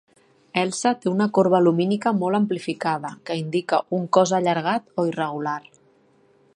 Elsa té una corba lumínica molt amplificada que indica un cos allargat o irregular.